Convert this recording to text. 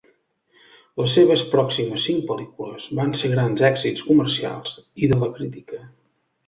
Les seves pròximes cinc pel·lícules van ser grans èxits comercials i de la crítica.